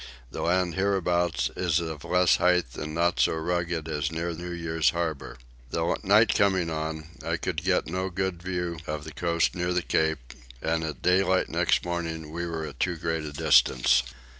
The land hereabouts is of less height and not so rugged as near New Year's Harbour. The night coming on I could get no good view of the coast near the Cape; and at daylight next morning we were at too great a distance.